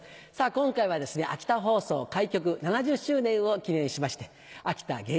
今回は秋田放送開局７０周年を記念しまして。